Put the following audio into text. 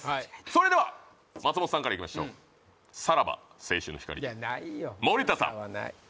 それでは松本さんからいきましょうさらば青春の光森田さんいやないよ